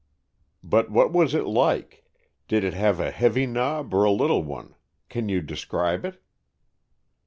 "But what was it like? Did it have a heavy knob or a little one? Can you describe it?"